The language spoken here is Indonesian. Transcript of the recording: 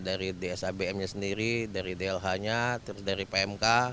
dari dsabm nya sendiri dari dlh nya terus dari pmk